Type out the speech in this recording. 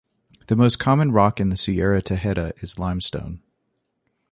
The most common rock in the Sierra Tejeda is limestone.